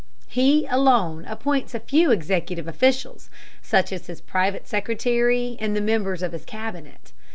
He alone appoints a few executive officials, such as his private secretary and the members of his Cabinet.